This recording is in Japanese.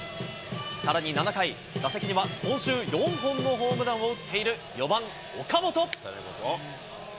さらに７回、打席には今週、４本のホームランを打っている４番岡本。